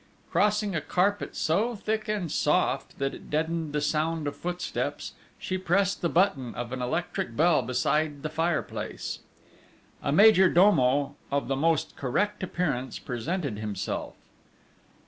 Crossing a carpet so thick and soft that it deadened the sound of footsteps, she pressed the button of an electric bell beside the fireplace. A major domo, of the most correct appearance, presented himself.